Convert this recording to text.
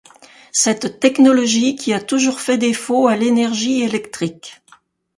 Cette technologie qui a toujours fait défaut à l'énergie électrique.